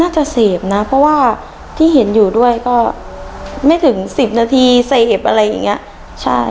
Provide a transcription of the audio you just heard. จะเสพนะเพราะว่าที่เห็นอยู่ด้วยก็ไม่ถึงสิบนาทีใส่เห็บอะไรอย่างเงี้ยใช่